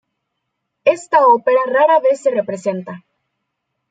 Esta ópera rara vez se representa.